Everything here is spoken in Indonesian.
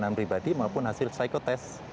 dilihat dari keinginan pribadi maupun hasil psikotest